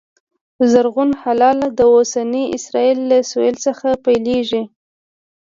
زرغون هلال د اوسني اسرایل له سوېل څخه پیلېږي